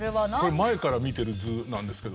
前から見てる図なんですけど。